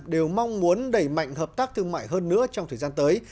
đều mong muốn đẩy mạnh hợp tác thương mại hơn nữa trong thời gian tới